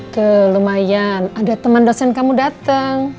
tuh lumayan ada teman dosen kamu datang